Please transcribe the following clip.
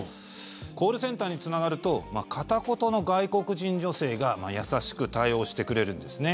コールセンターにつながると片言の外国人女性が優しく対応してくれるんですね。